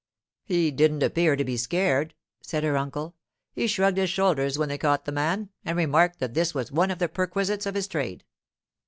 'He didn't appear to be scared,' said her uncle. 'He shrugged his shoulders when they caught the man, and remarked that this was one of the perquisites of his trade.